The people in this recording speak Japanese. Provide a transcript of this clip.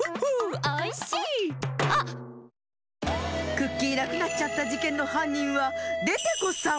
クッキーなくなっちゃったじけんのはんにんはデテコさん！